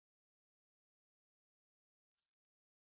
bunda gak akan ingali bening